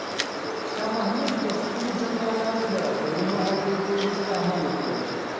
شاه محمود د خپلو جنرالانو د راپورونو اورېدو وروسته عمل وکړ.